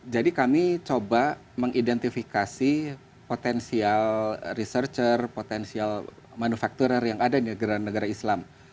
jadi kami coba mengidentifikasi potensial researcher potensial manufacturer yang ada di negara negara islam